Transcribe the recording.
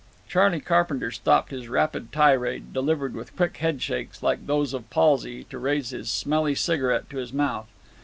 Charley Carpenter stopped his rapid tirade, delivered with quick head shakes like those of palsy, to raise his smelly cigarette to his mouth.